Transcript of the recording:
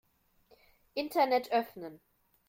Internet öffnen.